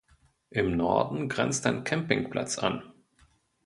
Im Norden grenzt ein Campingplatz an.